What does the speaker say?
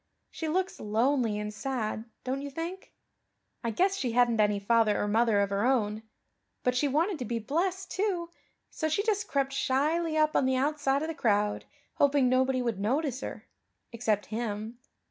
She looks lonely and sad, don't you think? I guess she hadn't any father or mother of her own. But she wanted to be blessed, too, so she just crept shyly up on the outside of the crowd, hoping nobody would notice her except Him.